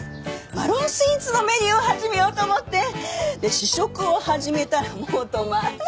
マロンスイーツのメニューを始めようと思って試食を始めたらもう止まら